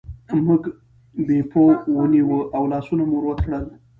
موږ بیپو ونیوه او لاسونه مو ور وتړل.